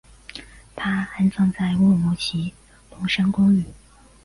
他安葬在乌鲁木齐东山公墓。